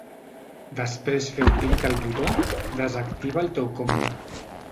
Després feu clic al botó ‘Desactiva el teu compte’.